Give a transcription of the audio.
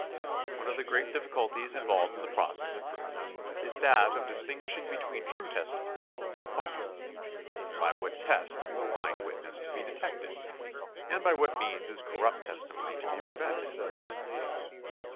One of the great difficulties involved in the process of proof is that of distinguishing between true testimony and false. By what test is the lying witness to be detected, and by what means is corrupt testimony to be prevented